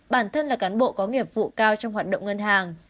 bản thân là cán bộ có nghiệp vụ cao trong hoạt động ngân hàng